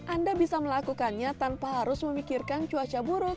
anda bisa melakukannya tanpa harus memikirkan cuaca buruk